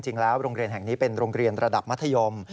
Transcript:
โรงเรียนแห่งนี้เป็นโรงเรียนระดับมัธยม